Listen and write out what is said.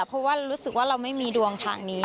เพราะว่ารู้สึกว่าเราไม่มีดวงทางนี้